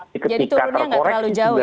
jadi turunnya nggak terlalu jauh ya